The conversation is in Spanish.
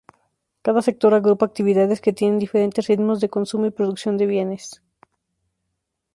Cada sector agrupa actividades que tienen diferentes ritmos de consumo y producción de bienes.